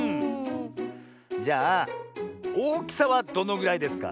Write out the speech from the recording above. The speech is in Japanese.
じゃあおおきさはどのぐらいですか？